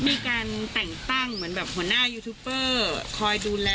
ลุงพลบอกว่ามันก็เป็นการทำความเข้าใจกันมากกว่าเดี๋ยวลองฟังดูค่ะ